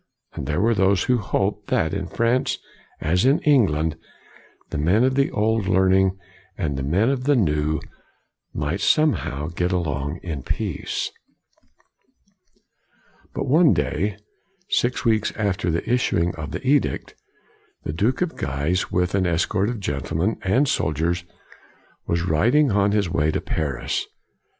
And there were those who hoped, that in France as in England, the men of the old learning and the men of the new, might somehow get along in peace. But one day, six weeks after the issuing of the edict, the Duke of Guise, with an escort of gentlemen and soldiers, was rid ing on his way to Paris.